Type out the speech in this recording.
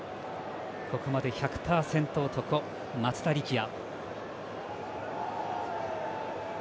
ここまで１００％男、松田力也。